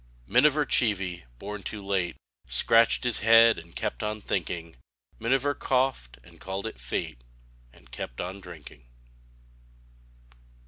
Miniver Cheevy, bom too late. Scratched his head and kept on thinking; Miniver coughed, and called it fate. And kept on drinking.